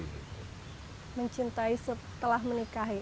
mencintai setelah menikahi